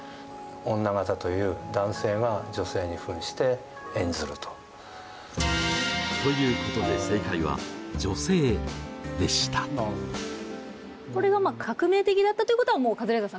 女形という男性が女性にふんして演ずると。ということでこれがまあ革命的だったということはもうカズレーザーさん